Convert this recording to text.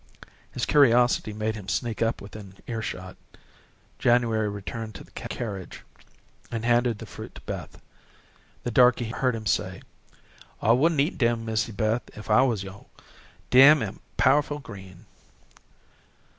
His curiosity made him sneak up within earshot. January returned to the carriage, and handed the fruit to Beth. The darky heard him say: "I wouldn't eat dem, Missy Beth, if I wuz yo'. Dey am powerful green."